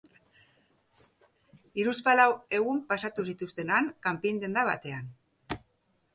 Hiruzpalau egun pasatu zituzten han, kanpin denda batean.